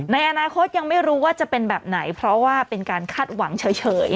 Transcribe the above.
ในอนาคตยังไม่รู้ว่าจะเป็นแบบไหนเพราะว่าเป็นการคาดหวังเฉย